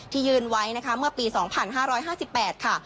ที่ยืนไว้นะคะเมื่อปีสองพันห้าร้อยห้าสิบแปดค่ะ